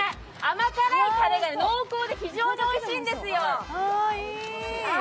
甘辛いタレが濃厚で非常においしいんですよ。